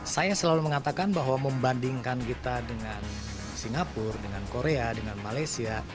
saya selalu mengatakan bahwa membandingkan kita dengan singapura dengan korea dengan malaysia